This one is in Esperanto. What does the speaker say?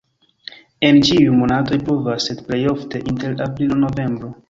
En ĉiuj monatoj pluvas, sed plej ofte inter aprilo-novembro.